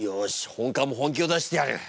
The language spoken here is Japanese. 本官も本気を出してやる。